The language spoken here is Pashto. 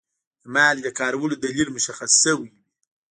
د مالګې د کارولو دلیل مشخص شوی وي.